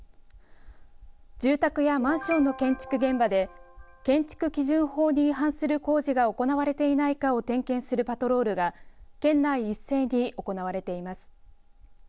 住宅やマンションの建築現場で建築基準法に違反する工事が行われていないかを点検するパトロールが県内一斉に行われています。